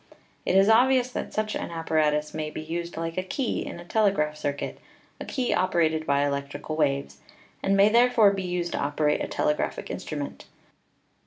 It is obvious that such an appa ratus may be used like a key in a telegraphic circuit — a key operated by electric waves — and may therefore be used to operate a telegraphic instrument.